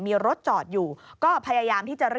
นี่ค่ะคุณผู้ชมพอเราคุยกับเพื่อนบ้านเสร็จแล้วนะน้า